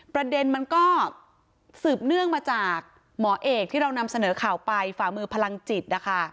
ประเด็นมันก็สืบเนื่องมาจากหมอเอกที่เรานำเสนอข่าวไปฝ่ามือพลังจิตนะคะ